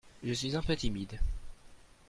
Je suis un peu timide.